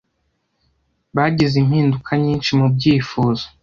Bagize impinduka nyinshi mubyifuzo.